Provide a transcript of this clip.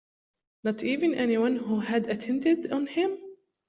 Not even any one who had attended on him?